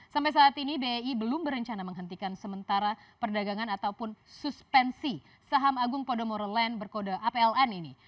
sampai saat ini bei belum berencana menghentikan sementara perdagangan ataupun suspensi saham agung podomoro land berkode apln ini